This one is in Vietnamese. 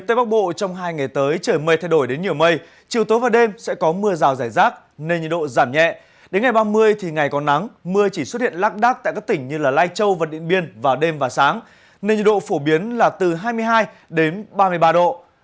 đến nhiều mây chiều tối và đêm sẽ có mưa rào rải rác nền nhiệt độ giảm nhẹ đến ngày ba mươi thì ngày có nắng mưa chỉ xuất hiện lắc đắc tại các tỉnh như lai châu và điện biên vào đêm và sáng nền nhiệt độ phổ biến là từ hai mươi hai đến ba mươi ba độ